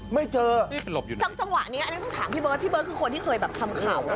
ไม่เจอหลบอยู่ตรงจังหวะนี้อันนี้ต้องถามพี่เบิร์ดพี่เบิร์ดคือคนที่เคยแบบทำข่าวนะ